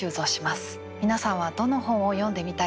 皆さんはどの本を読んでみたいと思いましたか？